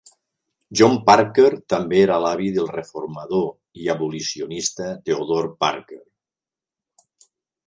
John Parker també era l'avi del reformador i abolicionista Theodore Parker.